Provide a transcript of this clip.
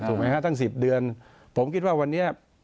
ฮะตั้ง๑๐เดือนผมคิดว่าวันนี้